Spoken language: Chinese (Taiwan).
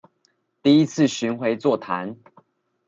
第一次巡迴座談